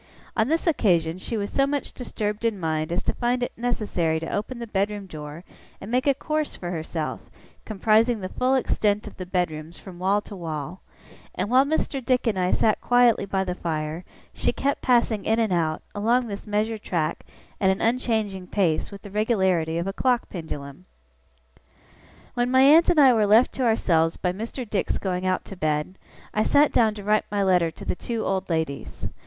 On this occasion she was so much disturbed in mind as to find it necessary to open the bedroom door, and make a course for herself, comprising the full extent of the bedrooms from wall to wall; and while Mr. Dick and I sat quietly by the fire, she kept passing in and out, along this measured track, at an unchanging pace, with the regularity of a clock pendulum. When my aunt and I were left to ourselves by Mr. Dick's going out to bed, I sat down to write my letter to the two old ladies.